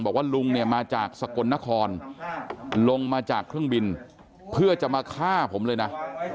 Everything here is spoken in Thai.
บอกว่าลุงเนี่ยมาจากสกลนครลงมาจากเครื่องบินเพื่อจะมาฆ่าผมเลยนะ